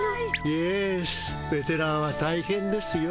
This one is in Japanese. イエスベテランはたいへんですよ。